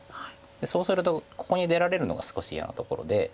そうするとここに出られるのが少し嫌なところで。